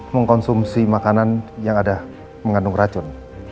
mengkonsumsi makanan yang ada mengandung racun